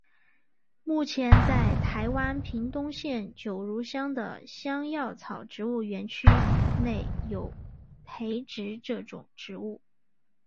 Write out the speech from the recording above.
目前在台湾屏东县九如乡的香药草植物园区内有培植这种植物。